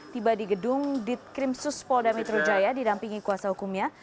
tiba di gedung ditkrimsus polda metro jaya didampingi kuasa hukumnya